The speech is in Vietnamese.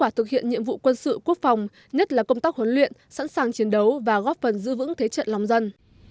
thực hiện nhiệm vụ quân sự quốc phòng nhất là công tác huấn luyện sẵn sàng chiến đấu và góp phần giữ vững thế trận lòng dân